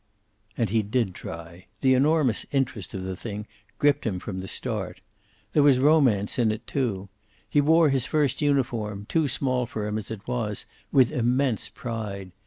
And he did try. The enormous interest of the thing gripped him from the start; There was romance in it, too. He wore his first uniform, too small for him as it was, with immense pride.